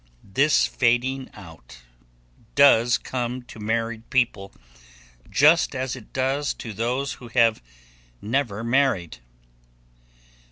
This fading out does come to married people just as it does to those who have never married.